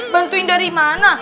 bantuin dari mana